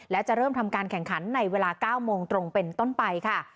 และจะเริ่มทำการแข่งขันในเวลา๙โมงตรงเป็นต้นไปค่ะ